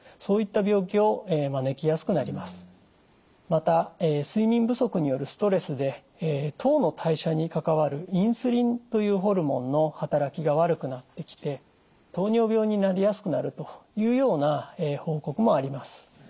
また睡眠不足によるストレスで糖の代謝に関わるインスリンというホルモンの働きが悪くなってきて糖尿病になりやすくなるというような報告もあります。